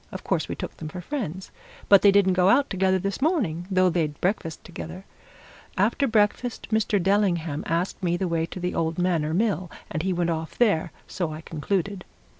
Of course, we took them for friends. But they didn't go out together this morning, though they'd breakfast together. After breakfast, Mr. Dellingham asked me the way to the old Manor Mill, and he went off there, so I concluded. Mr.